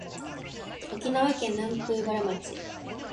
沖縄県南風原町